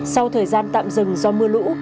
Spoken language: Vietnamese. sau thời gian tạm dừng do mưa lũ